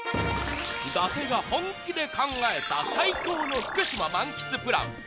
伊達が本気で考えた最高の福島満喫プラン